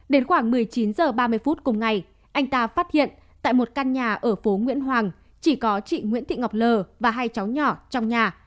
đến khoảng một mươi chín h ba mươi phút cùng ngày anh ta phát hiện tại một căn nhà ở phố nguyễn hoàng chỉ có chị nguyễn thị ngọc lờ và hai cháu nhỏ trong nhà